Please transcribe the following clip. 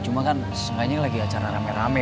cuma kan sebenarnya lagi acara rame rame